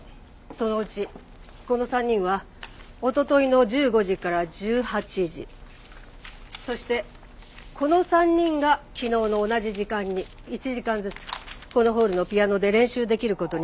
そのうちこの３人はおとといの１５時から１８時そしてこの３人が昨日の同じ時間に１時間ずつこのホールのピアノで練習できる事になっていました。